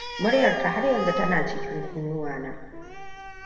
Muryarta har yanzu tana cikin kunnuwana.